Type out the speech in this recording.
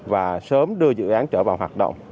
và sớm đưa dự án trở vào hoạt động